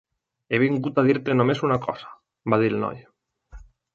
"He vingut a dir-te només una cosa", va dir el noi.